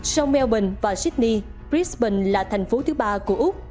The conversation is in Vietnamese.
sông melbourne và sydney brisbane là thành phố thứ ba của úc